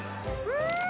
うん！